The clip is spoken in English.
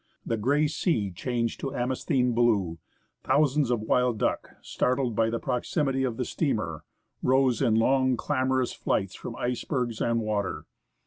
The gray sea changed to amethystine blue ; thousands ot wild duck, startled by the proximity of the steamer, rose in long, clamorous flights from icebergs and water.